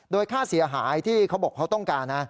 โดยค่าเสียหายที่เขาบอกเขาต้องการนะ